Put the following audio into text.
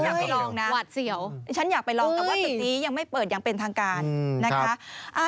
ตัวนี้ฉันอยากไปลองนะฉันอยากไปลองนะครับถึงนี้ยังเปิดอย่างเป็นทางการนะคะ